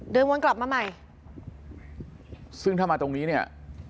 วนกลับมาใหม่ซึ่งถ้ามาตรงนี้เนี่ย